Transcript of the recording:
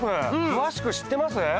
詳しく知ってます？